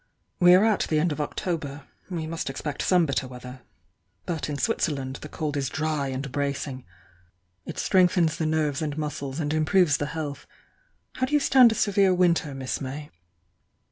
We are at the end of October — we must expect some bitter weather. But in Switzerland the cold is dry and bracing — it strengthens the nerves and muscles and improves the health. How do you stand a severe winter, Miss May?"